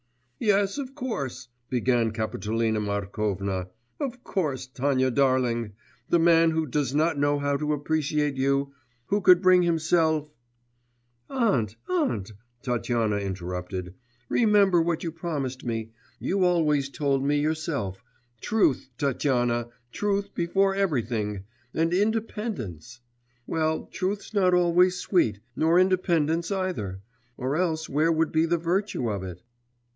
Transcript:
'Yes, of course,' began Kapitolina Markovna, 'of course, Tanya darling, the man who does not know how to appreciate you ... who could bring himself ' 'Aunt, aunt,' Tatyana interrupted, 'remember what you promised me. You always told me yourself: truth, Tatyana, truth before everything and independence. Well, truth's not always sweet, nor independence either; or else where would be the virtue of it?